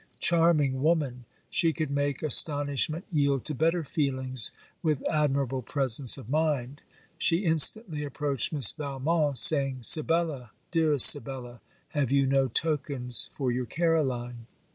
Charming woman! She could make astonishment yield to better feelings with admirable presence of mind, she instantly approached Miss Valmont, saying, 'Sibella, dearest Sibella, have you no tokens for your Caroline?'